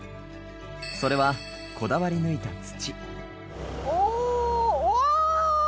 それはこだわり抜いた土。